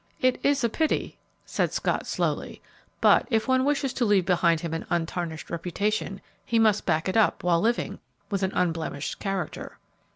"It is a pity," said Scott, slowly; "but if one wishes to leave behind him an untarnished reputation, he must back it up, while living, with an unblemished character."